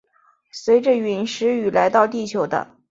随着殒石雨来到地球的。